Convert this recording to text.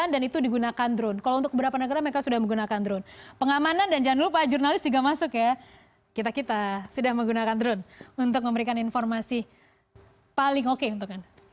dan itu digunakan drone kalau untuk beberapa negara mereka sudah menggunakan drone pengamanan dan jangan lupa jurnalis juga masuk ya kita kita sudah menggunakan drone untuk memberikan informasi paling oke untuk anda